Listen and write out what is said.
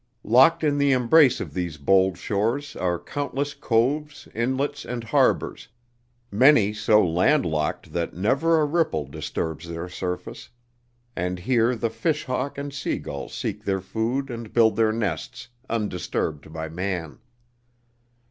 Locked in the embrace of these bold shores are countless coves, inlets and harbors, many so land locked that never a ripple disturbs their surface, and here the fishhawk and seagull seek their food and build their nests undisturbed by man.